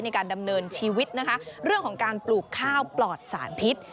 ในการดำเนินชีวิตนะคะเรื่องของการปลูกข้าวปลอดสารพิษ